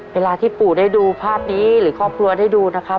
เวลาที่ปู่ได้ดูภาพนี้หรือครอบครัวได้ดูนะครับ